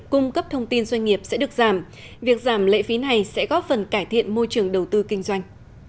cung cấp thông tin doanh nghiệp sẽ được giảm việc giảm lệ phí này sẽ góp phần cải thiện môi trường đầu tư kinh doanh